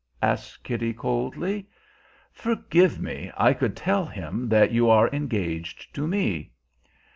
asked Kitty coldly. "Forgive me! I could tell him that you are engaged to me."